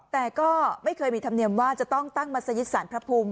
แต่ก็ไม่เคยมีธรรมเนียมว่าจะต้องตั้งมัศยิตสารพระภูมิ